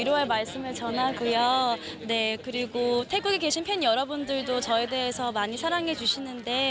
จำเป็นว่ามีพวกที่ไม่มีเงิน